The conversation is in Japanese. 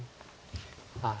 ああ